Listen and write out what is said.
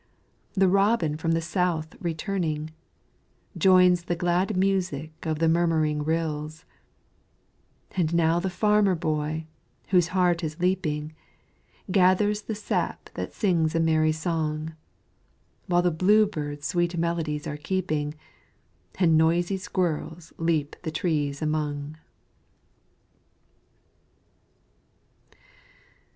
the robin from the South returning, Joins the glad music of the murmuring rills, And now the farmer boy, whose heart is leaping, Gathers the sap that sings a merry song, While the blue birds sweet melodies are keeping, And noisy squirrels leap the trees among.